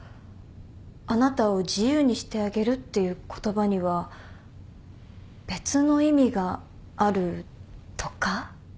「あなたを自由にしてあげる」っていう言葉には別の意味があるとか？